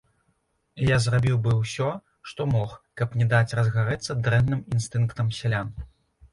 І я зрабіў быў усё, што мог, каб не даць разгарэцца дрэнным інстынктам сялян.